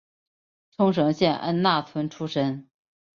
冲绳县恩纳村出身。